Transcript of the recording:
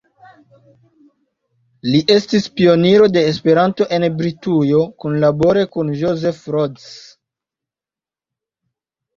Li estis pioniro de Esperanto en Britujo, kunlabore kun Joseph Rhodes.